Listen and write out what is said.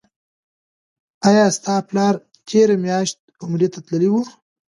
آیا ستا پلار تیره میاشت عمرې ته تللی و؟